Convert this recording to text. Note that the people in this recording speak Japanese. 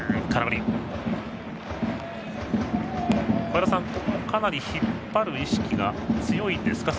和田さん、かなり引っ張る意識が強いですか？